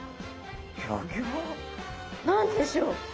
何でしょう！？